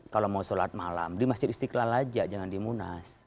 kalau mau sholat malam di masjid istiqlal aja jangan di munas